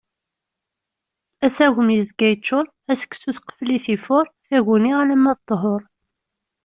Asagem, yezga yeččur. Aseksut, qfel-it ifuṛ. Taguni, alamma d ṭṭhur.